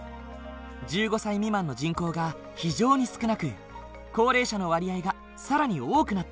１５歳未満の人口が非常に少なく高齢者の割合が更に多くなっている。